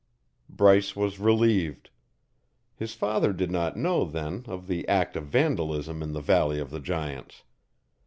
Bryce was relieved. His father did not know, then, of the act of vandalism in the Valley of the Giants.